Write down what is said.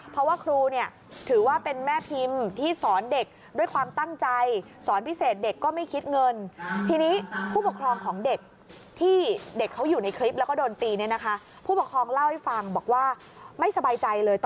เพราะว่าครูเนี่ยถือว่าเป็นแม่พิมก์ที่สอนเด็กด้วยความตั้งใจ